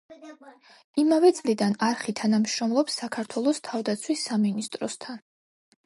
იმავე წლიდან არხი თანამშრომლობს საქართველოს თავდაცვის სამინისტროსთან.